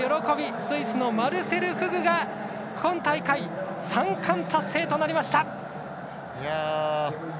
スイスのマルセル・フグが今大会、３冠達成となりました。